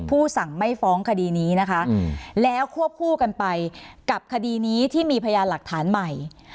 สั่งไม่ฟ้องคดีนี้นะคะแล้วควบคู่กันไปกับคดีนี้ที่มีพยานหลักฐานใหม่